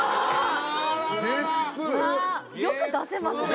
ゲップよく出せますね